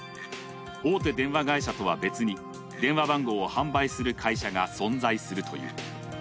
大手電話会社とは別に電話番号を販売する会社が存在するという。